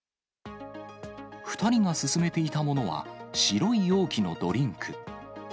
２人が勧めていたものは、白い容器のドリンク。